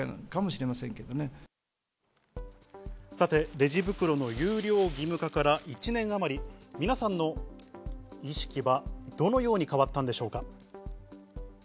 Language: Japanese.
レジ袋の有料義務化から１年あまり、皆さんの意識はどのように変わったんでしょうか。